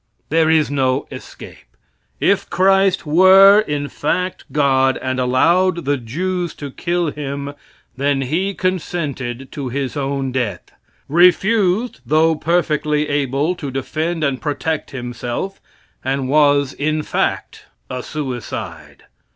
There is no escape. If Christ were, in fact, God and allowed the Jews to kill Him, then He consented to His own death refused, though perfectly able, to defend and protect Himself, and was, in fact, a suicide.